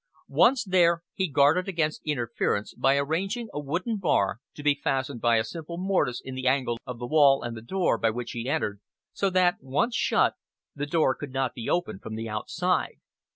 Once there, he guarded against interference by arranging a wooden bar, to be fastened by a simple mortice in the angle of the wall and the door by which he entered, so that once shut, the door could not be opened from the outside.